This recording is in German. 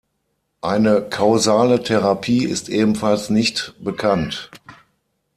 Eine kausale Therapie ist ebenfalls nicht bekannt.